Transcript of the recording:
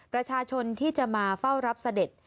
ประชาชนที่จะมาเฝ้ารับเสด็จ